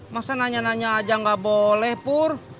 masa nanya nanya aja nggak boleh pur